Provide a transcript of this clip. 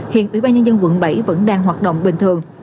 hiện ủy ban nhân dân quận bảy vẫn đang hoạt động bình thường